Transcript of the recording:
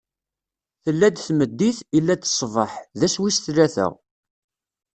Tella-d tmeddit, illa-d ṣṣbeḥ: d ass wis tlata.